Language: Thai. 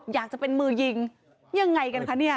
อยากจะเป็นมือยิงยังไงกันคะเนี่ย